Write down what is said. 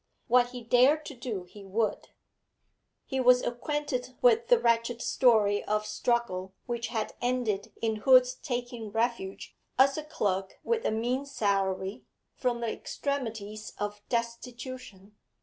What he dared to do, he would. He was acquainted with the wretched story of struggle which had ended in Hood's taking refuge, as a clerk with a mean salary, from the extremities of destitution.